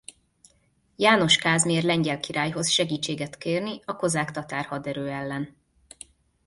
János Kázmér lengyel királyhoz segítséget kérni a kozák–tatár haderő ellen.